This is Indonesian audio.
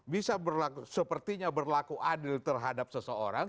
bisa berlaku sepertinya berlaku adil terhadap seseorang